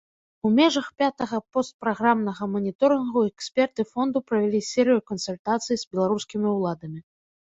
У межах пятага постпраграмнага маніторынгу эксперты фонду правялі серыю кансультацый з беларускімі ўладамі.